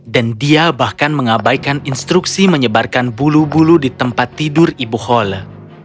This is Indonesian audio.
dan dia bahkan mengabaikan instruksi menyebarkan bulu bulu di tempat tidur ibu hole